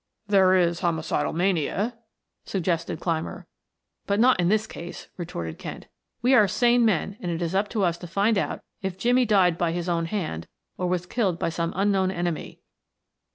"There is homicidal mania," suggested Clymer. "But not in this case," retorted Kent. "We are sane men and it is up to us to find out if Jimmie died by his own hand or was killed by some unknown enemy.''